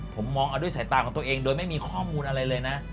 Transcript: ผมมองเอาด้วยสายตาของตัวเองโดยไม่มีข้อมูลอะไรเลยนะ